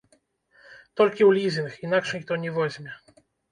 Толькі ў лізінг, інакш ніхто не возьме.